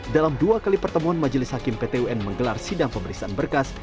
dalam dua kali pertemuan majelis hakim pt un menggelar sidang pemeriksaan berkas